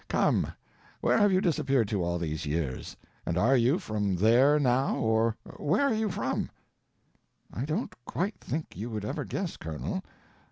Come—where have you disappeared to all these years, and are you from there, now, or where are you from?" "I don't quite think you would ever guess, Colonel.